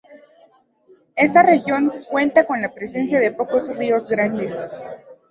Esta región cuenta con la presencia de pocos ríos grandes.